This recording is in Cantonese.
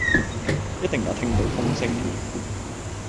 一定也聽到風聲，